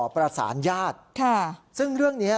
ประสานญาติซึ่งเรื่องนี้